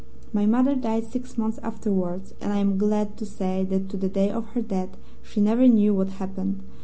My mother died six months afterwards, and I am glad to say that to the day of her death she never knew what happened.